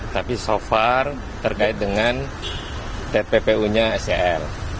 tapi so far terkait dengan tppu nya sel